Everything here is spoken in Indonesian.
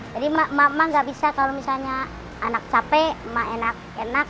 jadi emak emak enggak bisa kalau misalnya anak capek emak enak enak